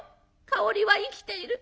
香織は生きている。